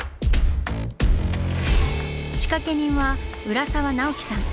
仕掛け人は浦沢直樹さん。